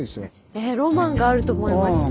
ええロマンがあると思いました。